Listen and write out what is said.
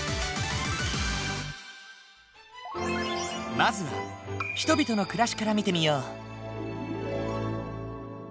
まずは人々の暮らしから見てみよう。